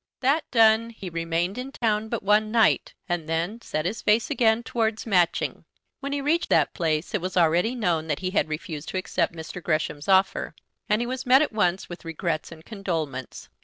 That done, he remained in town but one night, and then set his face again towards Matching. When he reached that place it was already known that he had refused to accept Mr. Gresham's offer, and he was met at once with regrets and condolements.